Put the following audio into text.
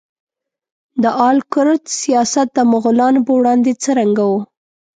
د آل کرت سیاست د مغولانو په وړاندې څرنګه و؟